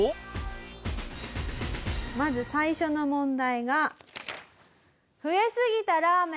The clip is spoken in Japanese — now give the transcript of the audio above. まず最初の問題が。ああ！